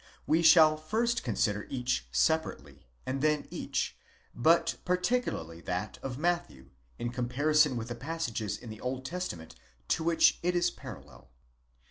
We shall first consider each separately, and then each, but particularly that of Matthew, in comparison with the passages in the Old Testament to which it is parallel.